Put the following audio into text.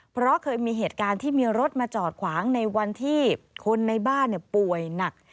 เพราะเคยมีเหตุการณ์ที่มีรถมาจอดขวางในวันที่คนในบ้านป่วยหนัก